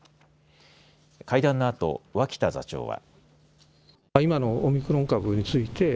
会談のあと脇田座長は。